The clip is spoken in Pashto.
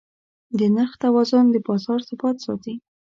د نرخ توازن د بازار ثبات ساتي.